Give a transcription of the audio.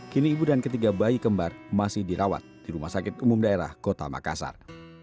kini ibu dan ketiga bayi kembar masih dirawat di rumah sakit umum daerah kota makassar